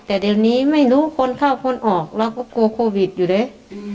แต่เดี๋ยวนี้ไม่รู้คนเข้าคนออกเราก็กลัวโควิดอยู่เลย